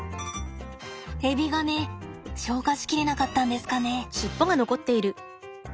エビがね消化し切れなかったんですかね。